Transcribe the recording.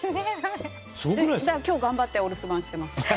今日頑張ってお留守番しています。